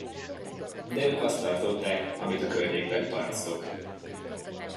De ők azt tartották, amit a környékbeli parasztok.